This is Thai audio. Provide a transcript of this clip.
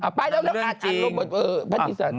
ขันเลื่อนจริง